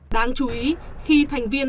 đáng chú ý khi thành viên